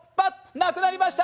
なくなりました！